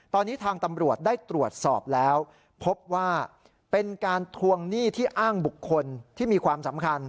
ตอนนี้ทางตำรวจได้ตรวจสอบแล้วพบว่าเป็นการทวงหนี้ที่อ้างบุคคลที่มีความสำคัญ